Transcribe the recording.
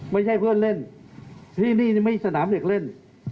ไม่ใช่เพื่อนเล่นที่นี่ไม่ใช่สนามเด็กเล่น